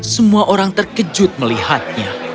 semua orang terkejut melihatnya